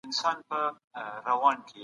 کتابونه ارزښت لري.